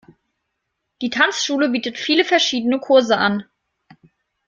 Die Tanzschule bietet viele verschiedene Kurse an.